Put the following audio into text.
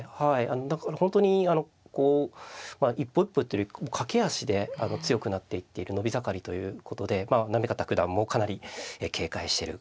あのだから本当にあのこう一歩一歩っていうより駆け足であの強くなっていっている伸び盛りということでまあ行方九段もかなり警戒してる感じですね。